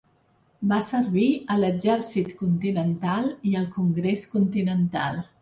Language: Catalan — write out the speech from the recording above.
Va servir a l'Exèrcit Continental i al Congrés Continental.